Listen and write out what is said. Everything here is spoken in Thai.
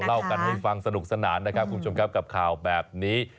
เล่ากันให้ฟังสนุกสนานนะครับคุณผู้ชมครับกับข่าวแบบนี้